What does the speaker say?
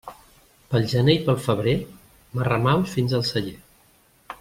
Pel gener i pel febrer marramaus fins al celler.